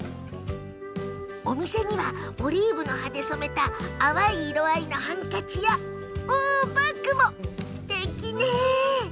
お店にはオリーブの葉で染めた淡い色合いのハンカチやおお、バッグもすてきね！